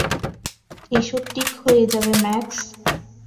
এসব ঠিক হয়ে যাবে, ম্যাক্স।